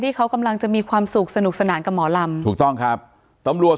เขากำลังจะมีความสุขสนุกสนานกับหมอลำถูกต้องครับตำรวจ